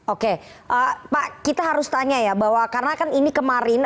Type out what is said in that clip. oke pak kita harus tanya ya bahwa karena kan ini kemarin